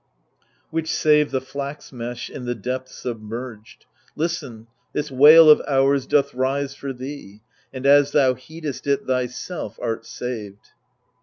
Which save the flax mesh, in the depth submerged. Listen, this wail of ours doth rise for thee. And as thou heedest it thyself art saved.